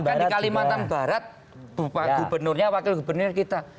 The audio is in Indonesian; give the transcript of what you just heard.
bahkan di kalimantan barat bupak gubernurnya wakil gubernur kita